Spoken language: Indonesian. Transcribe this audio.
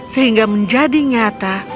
sehingga menjadi nyata